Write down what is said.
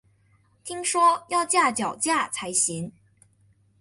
听说要架脚架才行